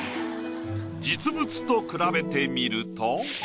実物と比べてみると。